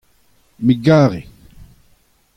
me 'gare.